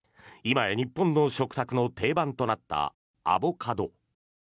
今や日本の食卓の定番となったアボカド。